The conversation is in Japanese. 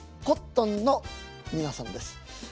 コットンの皆さんです。